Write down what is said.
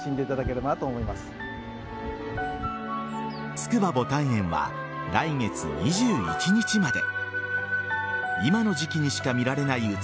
つくば牡丹園は来月２１日まで。